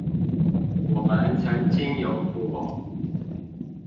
我們曾經有過